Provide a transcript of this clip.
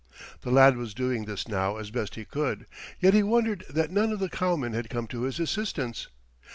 The lad was doing this now as best he could, yet he wondered that none of the cowmen had come to his assistance.